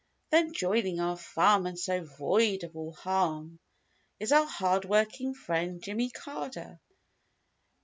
Then joining our farm, and so void of all harm. Is our hard working friend, Jimmy Carder.